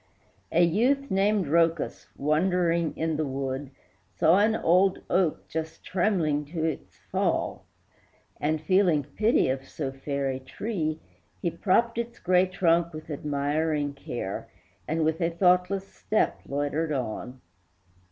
A youth named Rhœcus, wandering in the wood, Saw an old oak just trembling to its fall, And, feeling pity of so fair a tree, He propped its gray trunk with admiring care, And with a thoughtless footstep loitered on.